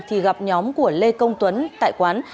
thì gặp nhóm của lê công tuấn tại quán